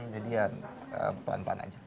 jadi ya pelan pelan aja